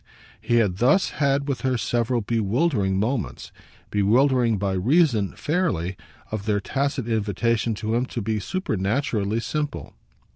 He had thus had with her several bewildering moments bewildering by reason, fairly, of their tacit invitation to him to be supernaturally simple.